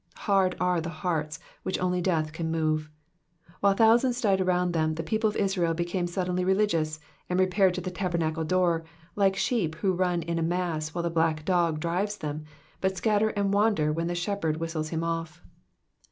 Hard are the hearts which only death can move. While thousands died around them, the people of Israel became suddenly religious, and repaired to the tabernacle door, like sheep who run in a mass while the black dog drives them, but scatter and wander when the shepherd whistles him ofl!.